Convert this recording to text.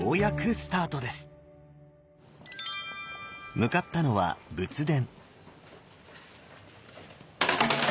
向かったのは仏殿。